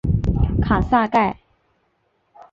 卡萨盖。